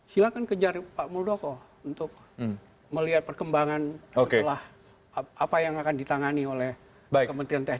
silahkan kejar pak muldoko untuk melihat perkembangan setelah apa yang akan ditangani oleh kementerian teknis